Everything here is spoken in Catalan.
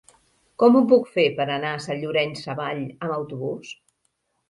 Com ho puc fer per anar a Sant Llorenç Savall amb autobús?